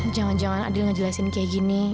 jangan jangan adil ngejelasin kayak gini